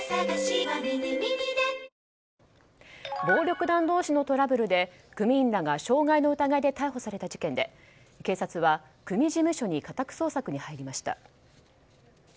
暴力団同士のトラブルで組員らが傷害の疑いで逮捕された事件で警察は組事務所に家宅捜索に入りました。